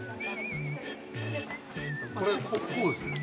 これこうですね。